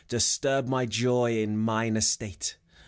Disturb my joy in mine estate.